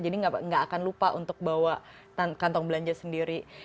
jadi gak akan lupa untuk bawa kantong belanja sendiri